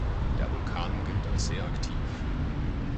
Der Vulkan gilt als sehr aktiv.